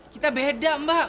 kita beda mbak